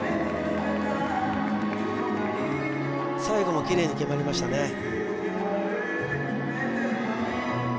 最後もキレイに決まりましたね